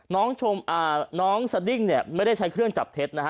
น้องสดิ้งเนี่ยไม่ได้ใช้เครื่องจับเท็จนะฮะ